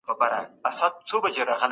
بې وزله خلګ زموږ د پاملرنې مستحق دي.